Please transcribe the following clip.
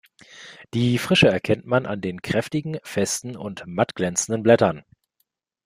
Die Frische erkennt man an den kräftigen, festen und matt glänzenden Blättern.